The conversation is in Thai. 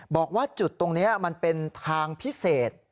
บอกว่าจุดตรงนี้มันเป็นทางพิเศษ